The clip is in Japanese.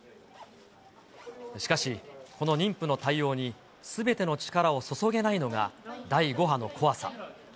しかし、この妊婦の対応にすべての力を注げないのが第５波の怖さ。